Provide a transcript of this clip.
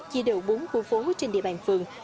chia đều bốn khu phố trên địa bàn phường